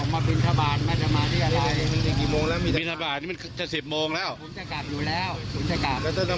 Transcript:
ไม่มีมีมีมานประจาน